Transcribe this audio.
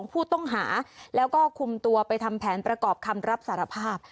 ผู้ต้องหาแล้วก็คุมตัวไปทำแผนประกอบคำรับสารภาพ